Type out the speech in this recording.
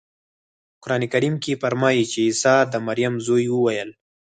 په قرانکریم کې فرمایي چې عیسی د مریم زوی وویل.